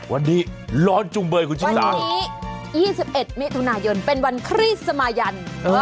วันนี้ร้อนจุงเบยคุณชิสาวันนี้๒๑มิถุนายนเป็นวันคริสมายัน